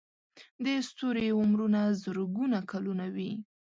د ستوري عمرونه زرګونه کلونه وي.